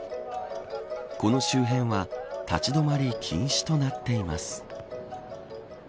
この周辺は立ち止まり禁止となっています。